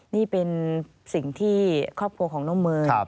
นี่เป็นสิ่งที่ครอบครัวของน้องเมย์